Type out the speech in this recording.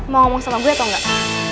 mau ngomong sama gue atau enggak